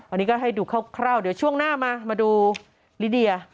อันนี้ก็ให้ดูคร่าวเดี๋ยวช่วงหน้ามามาดูลิเดีย